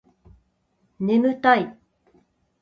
ねむたい